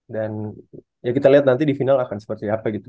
dan ya kita lihat nanti di final akan sepertinya apa gitu